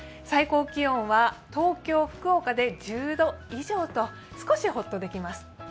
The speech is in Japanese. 最高気温は東京、福岡で１０度以上と少しホッとできます。